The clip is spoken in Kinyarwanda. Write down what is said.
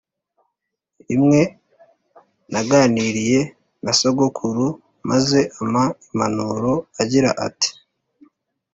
Rimwe naganiriye na sogokuru maze ampa impanuro agira ati